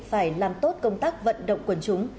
phải làm tốt công tác vận động quần chúng